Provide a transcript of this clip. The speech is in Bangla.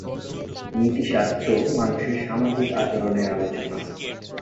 নীতিশাস্ত্র মানুষের সামাজিক আচরণের আলোচনা।